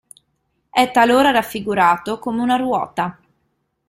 È talora raffigurato come una ruota.